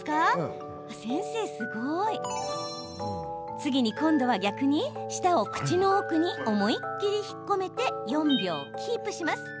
次に今度は逆に舌を口の奥に思いっきり引っ込めて４秒キープします。